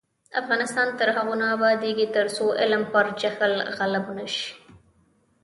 افغانستان تر هغو نه ابادیږي، ترڅو علم پر جهل غالب نشي.